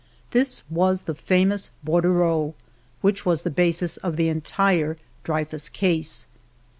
This was the famous bordereau which was the basis of the entire Dreyfus case.